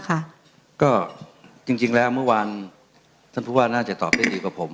ค่ะก็จริงจริงแล้วเมื่อวานท่านผู้ว่าน่าจะตอบได้ดีกว่าผม